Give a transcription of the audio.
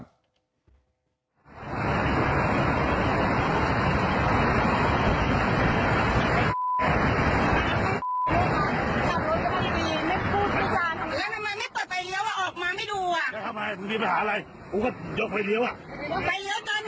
ไปเลี้ยวตอนไหนไม่มีลุงสมานมาไม่เกิดไปเลี้ยวเลย